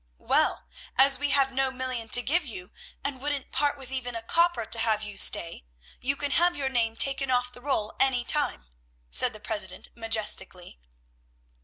"Well, as we have no million to give you, and wouldn't part with even a copper to have you stay, you can have your name taken off the roll any time," said the president majestically.